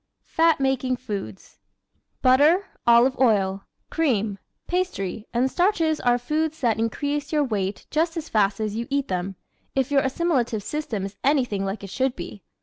Fat Making Foods ¶ Butter, olive oil, cream, pastry and starches are foods that increase your weight just as fast as you eat them, if your assimilative system is anything like it should be.